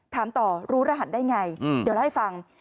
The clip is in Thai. ถามต่อรู้รหัสได้ไงเดี๋ยวเล่าให้ฟัง